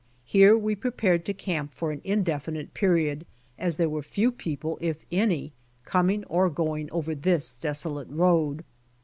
Here we prepared to camp for an indefinite period, as there were few people, if any, comdng or going over this desolate road.